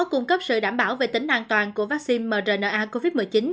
cung cấp sự đảm bảo về tính an toàn của vaccine mrna covid một mươi chín